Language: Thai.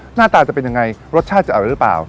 หน้าตาจะเป็นยังไงรสชาติจะอร่อยหรือเปล่า